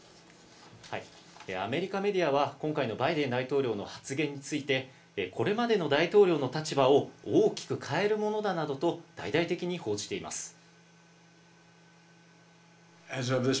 アメリカメディアは、今回のバイデン大統領の発言について、これまでの大統領の立場を大きく変えるものだなどと大々的に報じています。